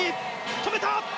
止めた！